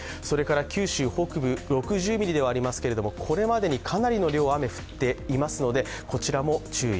九州北部６０ミリではありますけれども、これまでにかなりの量雨が降っていますので、こちらも注意。